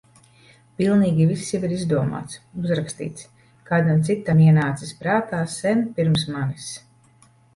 Pilnīgi viss jau ir izdomāts, uzrakstīts, kādam citam ienācis prātā sen pirms manis.